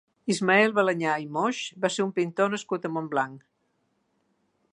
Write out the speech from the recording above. Ismael Balanyà i Moix va ser un pintor nascut a Montblanc.